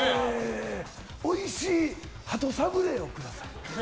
おいしい鳩サブレーをください。